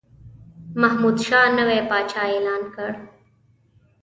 محمودشاه نوی پاچا اعلان کړ.